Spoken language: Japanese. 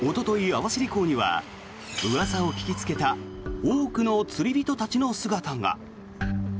網走港にはうわさを聞きつけた多くの釣り人たちの姿が。